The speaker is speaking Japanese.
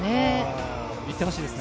いってほしいです。